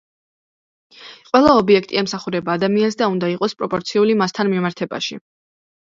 ყველა ობიექტი ემსახურება ადამიანს და უნდა იყოს პროპორციული მასთან მიმართებაში.